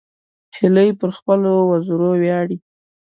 هیلۍ پر خپلو وزرو ویاړي